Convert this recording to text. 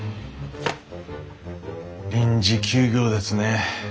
臨時休業ですね。